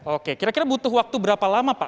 oke kira kira butuh waktu berapa lama pak